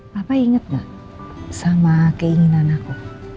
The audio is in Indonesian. papa inget gak sama keinginan aku